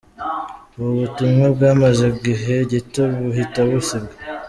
Ubu butumwa bwamaze igihe gito, buhita busibwa.